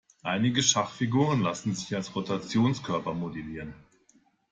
Einige Schachfiguren lassen sich als Rotationskörper modellieren.